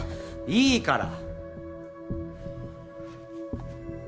いいから！